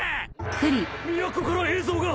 都から映像が！